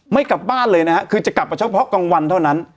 ไม่กลับบ้านเลยนะฮะคือจะกลับมาเฉพาะกลางวันเท่านั้น